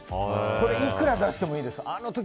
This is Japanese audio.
これ、いくら出してもいいです。